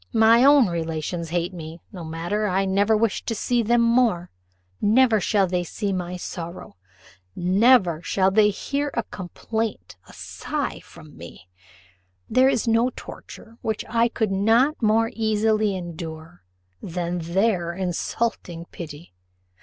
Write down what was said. My own relations hate me no matter, I never wish to see them more never shall they see my sorrow never shall they hear a complaint, a sigh from me. There is no torture which I could not more easily endure than their insulting pity.